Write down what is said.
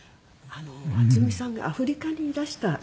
渥美さんがアフリカにいらした時。